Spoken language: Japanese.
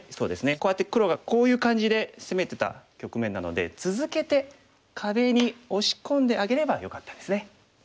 こうやって黒がこういう感じで攻めてた局面なので続けて壁に押し込んであげればよかったですね。